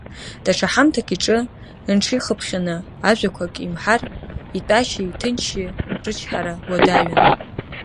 Даҽа ҳамҭак иҿы нҽихыԥхьаны ажәақәак имҳәар, итәашьеи иҭынчшьеи рычҳара уадаҩын.